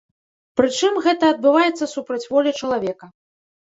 Прычым, гэта адбываецца супраць волі чалавека.